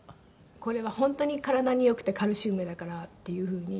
これは本当に体によくてカルシウムだからっていうふうに。